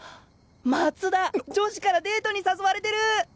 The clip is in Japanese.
松田女子からデートに誘われてる！